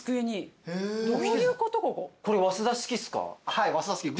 はい早稲田式。